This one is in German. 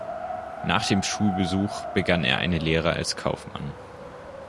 Nach dem Schulbesuch begann er eine Lehre als Kaufmann.